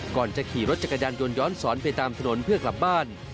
ก่อนจะขี่รถจักรยานยนต์ย้อนสอนไปตามถนนเพื่อกลับบ้าน